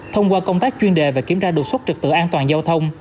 thông qua công tác chuyên đề và kiểm tra đột xuất trực tự an toàn giao thông